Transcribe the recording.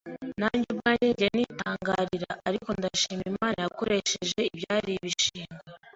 nanjye ubwanjye njya nitangarira ariko ndashima Imana yakoresheje ibyari ibishingwe